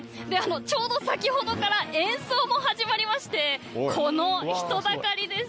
ちょうど先ほどから演奏も始まりまして、この人だかりです！